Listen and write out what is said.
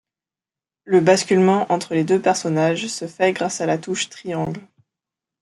Le basculement entre les deux personnages se fait grâce à la touche triangle.